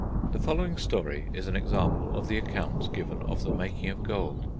The following story is an example of the accounts given of the making of gold.